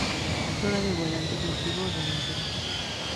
Juega de volante ofensivo o delantero.